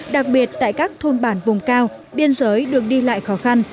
đặc biệt tại các thôn bản vùng cao biên giới được đi lại khó khăn